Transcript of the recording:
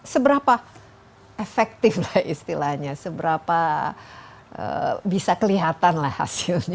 seberapa efektif lah istilahnya seberapa bisa kelihatan lah hasilnya